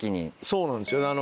そうなんですよ。